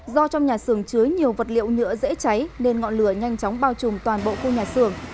do trong nhà xưởng chứa nhiều vật liệu nhựa dễ cháy nên ngọn lửa nhanh chóng bao trùm toàn bộ khu nhà xưởng